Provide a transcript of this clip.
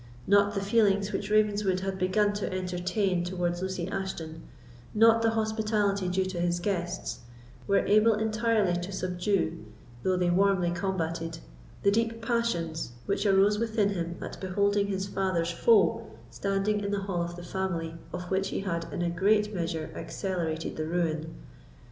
Not the feelings which Ravenswood had begun to entertain towards Lucy Ashton, not the hospitality due to his guests, were able entirely to subdue, though they warmly combated, the deep passions which arose within him at beholding his father's foe standing in the hall of the family of which he had in a great measure accelerated the ruin.